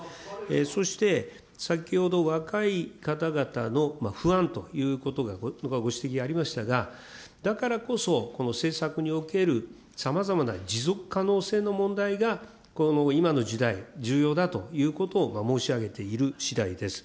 そして先ほど若い方々の不安ということが、ご指摘ありましたが、だからこそ、この政策におけるさまざまな持続可能性の問題がこの今の時代、重要だということを申し上げているしだいです。